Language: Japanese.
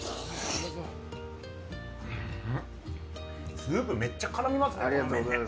スープめっちゃ絡みますね。